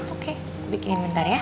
oke bikinin sebentar ya